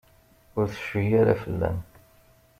Ur tecfi ara fell-am.